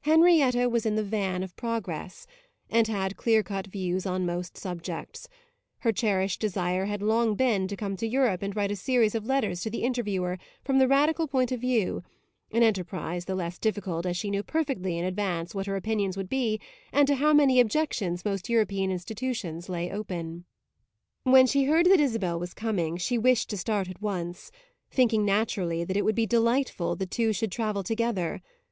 Henrietta was in the van of progress and had clear cut views on most subjects; her cherished desire had long been to come to Europe and write a series of letters to the Interviewer from the radical point of view an enterprise the less difficult as she knew perfectly in advance what her opinions would be and to how many objections most European institutions lay open. When she heard that Isabel was coming she wished to start at once; thinking, naturally, that it would be delightful the two should travel together.